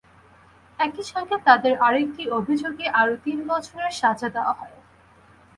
একই সঙ্গে তাঁদের আরেকটি অভিযোগে আরও তিন বছরের সাজা দেওয়া হয়।